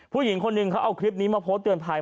ผู้หญิงคนหนึ่งเขาเอาคลิปนี้มาโพสต์เตือนภัย